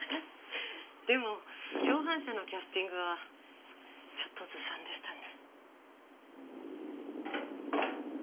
でも共犯者のキャスティングはちょっとずさんでしたね。